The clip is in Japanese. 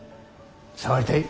触りたい？